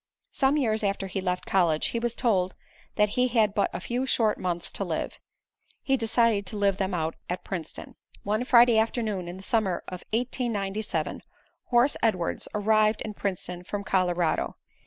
Some years after he left college, he was told that he had but a few short months to live. He decided to live them out at Princeton. One Friday afternoon in the summer of 1897, Horse Edwards arrived in Princeton from Colorado.